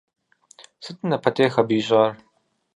Сыту напэтех абы ищӏар.